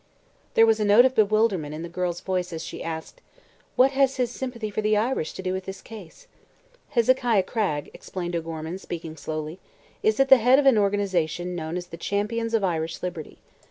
There was a note of bewilderment in the girl's voice as she asked: "What has his sympathy for the Irish to do with this case?" "Hezekiah Cragg," explained O'Gorman, speaking slowly, "is at the head of an organization known as the 'Champions of Irish Liberty.'